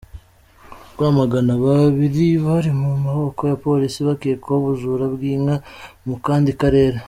Rwamagana : Babiri bari mu maboko ya Polisi bakekwaho ubujura bw’inka mu kandi karere